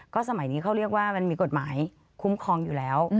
สมัยนี้เขาเรียกว่ามันมีกฎหมายคุ้มครองอยู่แล้ว